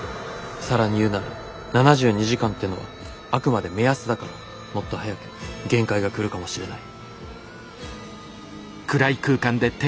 更に言うなら７２時間ってのはあくまで目安だからもっと早く限界が来るかもしれない。